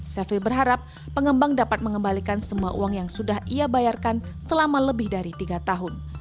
sevil berharap pengembang dapat mengembalikan semua uang yang sudah ia bayarkan selama lebih dari tiga tahun